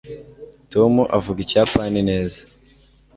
tom avuga ikiyapani neza